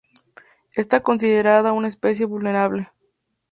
Está considerada una especie vulnerable.